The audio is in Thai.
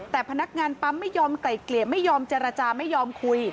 แต่พนักงานปั๊มไม่ยอมไกลเกลี่ยไม่ยอมเจรจาไม่ยอมคุย